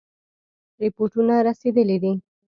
رپوټونه رسېدلي دي.